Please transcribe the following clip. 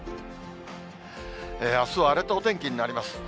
あすは荒れたお天気になります。